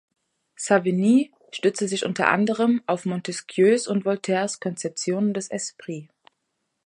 Savigny stützte sich unter anderem auf Montesquieus und Voltaires Konzeptionen des "esprit".